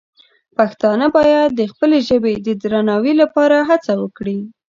پښتانه باید د خپلې ژبې د درناوي لپاره هڅه وکړي.